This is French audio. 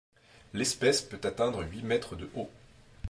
L'espèce peut atteindre huit mètres de haut.